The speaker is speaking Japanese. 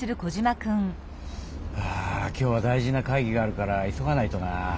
あ今日は大事な会議があるから急がないとな。